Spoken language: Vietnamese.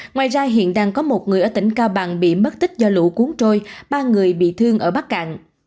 ngoài ra hiện đang có một người ở tỉnh cao bằng bị mất tích do lũ cuốn trôi ba người bị thương ở bắc cạn